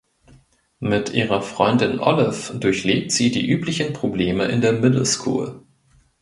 Mit ihrer Freundin Olive durchlebt sie die üblichen Probleme in der Middle School.